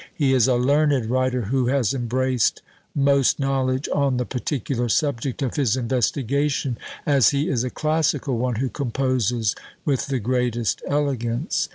He is a "learned" writer who has embraced most knowledge on the particular subject of his investigation, as he is a "classical" one who composes with the greatest elegance.